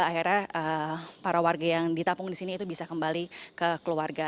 akhirnya para warga yang ditampung di sini itu bisa kembali ke keluarga